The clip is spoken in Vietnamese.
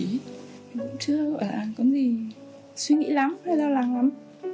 mình cũng chưa có gì suy nghĩ lắm hay lo lắng lắm